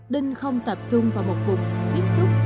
đinh không tập trung vào một vùng tiếp xúc